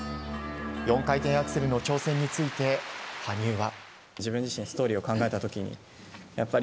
４回転アクセルの挑戦について羽生は。